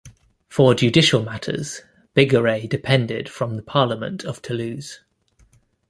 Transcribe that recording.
For judicial matters, Bigorre depended from the "Parlement" of Toulouse.